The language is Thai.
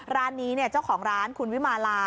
ร้านนี้เจ้าของร้านคุณวิมาลา